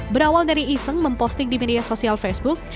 berawal dari iseng memposting di media sosial facebook